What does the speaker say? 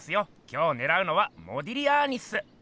今日ねらうのは「モディリアーニ」っす。